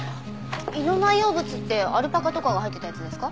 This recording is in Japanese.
胃の内容物ってアルパカとかが入ってたやつですか？